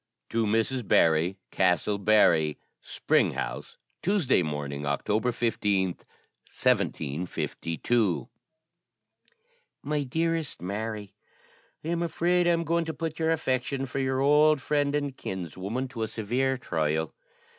"TO MRS. BARRY, CASTLE BARRY. "Spring House, Tuesday morning, October 15th, 1752. "MY DEAREST MARY, "I am afraid I am going to put your affection for your old friend and kinswoman to a severe trial.